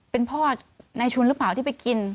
เป็นเพราะนายชุนรึเปล่าที่ไปกิน